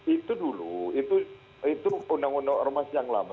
itu dulu itu undang undang ormas yang lama